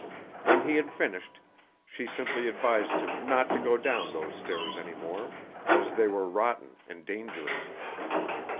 When he had finished, she simply advised him not to go down those stairs any more, as they were rotten and dangerous.